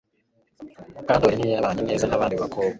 Mukandoli ntiyabanye neza nabandi bakobwa